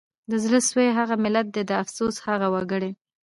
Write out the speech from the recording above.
د زړه سوي هغه ملت دی د افسوس هغه وګړي